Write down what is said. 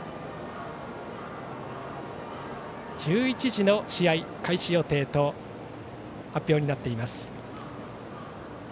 １１時の試合開始予定と発表になっています。